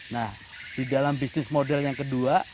nah di dalam bisnis model yang kedua